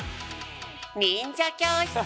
忍者教室！